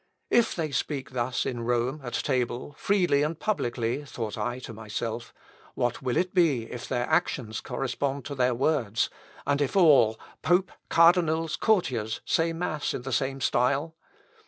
If they speak thus in Rome at table, freely and publicly, thought I to myself, what will it be if their actions correspond to their words, and if all, pope, cardinals, courtiers, say mass in the same style?